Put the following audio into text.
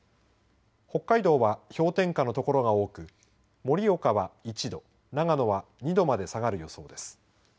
北海道は氷点下の所が多く盛岡は１度、長野は２度まで下がる予想です。